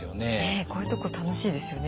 こういうとこ楽しいですよね。